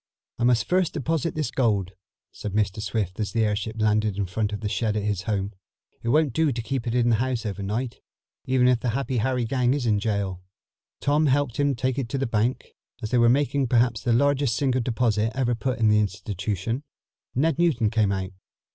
"I must first deposit this gold," said Mr. Swift as the airship landed in front of the shed at his home. "It won't do to keep it in the house over night, even if the Happy Harry gang is in jail." Tom helped him take it to the bank. As they were making perhaps the largest single deposit ever put in the institution, Ned Newton came out.